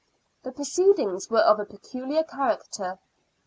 The proceedings were of a pecuhar character.